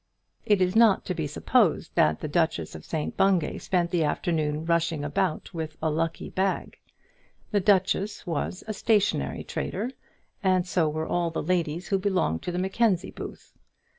It is not to be supposed that the Duchess of St Bungay spent the afternoon rushing about with a lucky bag. The duchess was a stationary trader, and so were all the ladies who belonged to the Mackenzie booth.